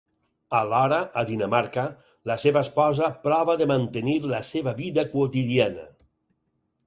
Alhora, a Dinamarca, la seva esposa prova de mantenir la seva vida quotidiana.